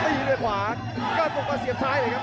อยู่ด้วยขวาก็ตกมาเสียบซ้ายเลยครับ